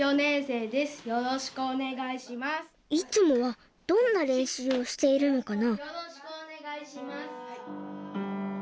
いつもはどんな練習をしているのかな？